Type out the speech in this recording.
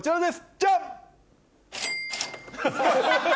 ジャン！